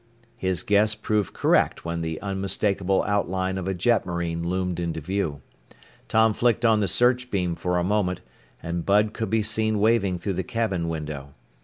His guess proved correct when the unmistakable outline of a jetmarine loomed into view. Tom flicked on the search beam for a moment, and Bud could be seen waving through the cabin window.